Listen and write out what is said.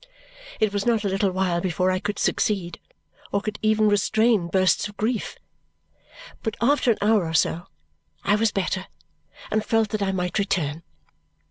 It was not a little while before I could succeed or could even restrain bursts of grief, but after an hour or so I was better and felt that I might return.